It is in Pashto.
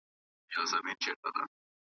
چي تر څو مي نوم یادیږي چي سندری مي شرنګیږي .